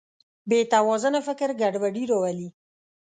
بېتوازنه فکر ګډوډي راولي.